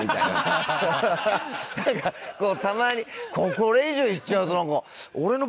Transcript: たまにこれ以上言っちゃうと。